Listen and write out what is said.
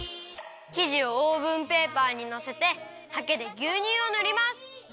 きじをオーブンペーパーにのせてはけでぎゅうにゅうをぬります！